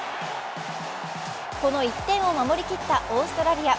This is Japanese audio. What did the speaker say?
この１点を守りきったオーストラリア。